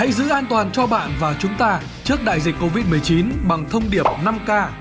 an toàn cho bạn và chúng ta trước đại dịch covid một mươi chín bằng thông điệp năm k